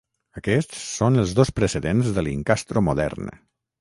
Aquests són els dos precedents de l'incastro modern.